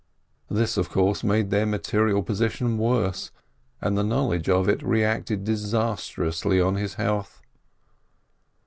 This, of course, made their material position worse, and the knowledge of it reacted disastrously on his health.